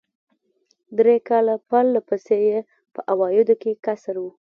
درې کاله پر له پسې یې په عوایدو کې کسر و.